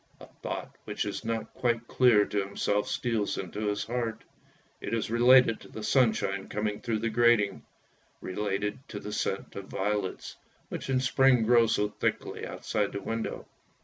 A thought which is not quite clear to himself steals into his heart; it is related to the sunshine coming through the grating, related to the scent of violets, which in spring grow so thickly outside the window.